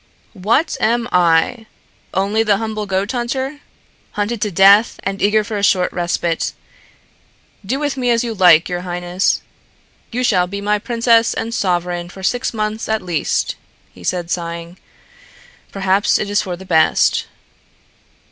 "What am I? Only the humble goat hunter, hunted to death and eager for a short respite. Do with me as you like, your highness. You shall be my princess and sovereign for six months, at least," he said, sighing. "Perhaps it is for the best."